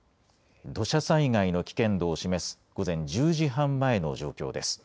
土砂災害の危険度を示す午前１０時半前の状況です。